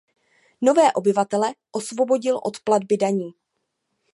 Nové obyvatele osvobodil od platby daní.